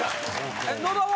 野田は？